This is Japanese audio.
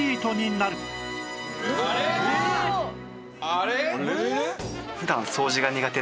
あれ？